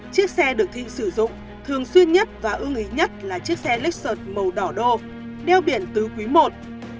chiếc xe được thị sử dụng thường xuyên nhất và ưng ý nhất là chiếc xe lexus màu đỏ đô đeo biển tứ quý một